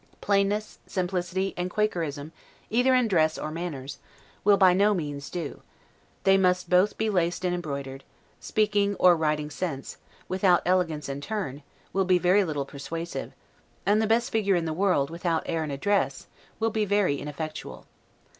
Plainness, simplicity, and quakerism, either in dress or manners, will by no means do; they must both be laced and embroidered; speaking, or writing sense, without elegance and turn, will be very little persuasive; and the best figure in the world, without air and address, will be very ineffectual.